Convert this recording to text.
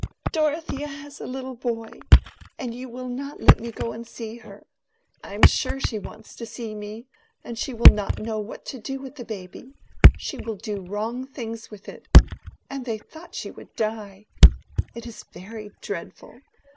"Dorothea has a little boy. And you will not let me go and see her. And I am sure she wants to see me. And she will not know what to do with the baby—she will do wrong things with it. And they thought she would die. It is very dreadful!